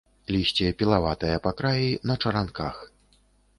Лісце пілаватае па краі, на чаранках.